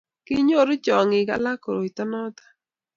kinyoru chong'ik alak koroito noto